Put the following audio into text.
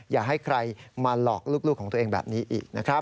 อย่าให้ใครมาหลอกลูกของตัวเองแบบนี้อีกนะครับ